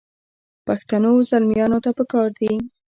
پښتنو زلمیانو ته پکار دي.